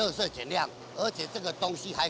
tentu saja kita harus mengurangkan jumlah kelebihan